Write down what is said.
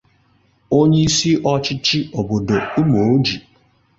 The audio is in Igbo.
onyeisi ọchịchị obodo Ụmụoji